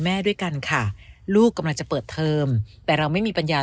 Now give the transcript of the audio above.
แม่ด้วยกันค่ะลูกกำลังจะเปิดเทอมแต่เราไม่มีปัญญา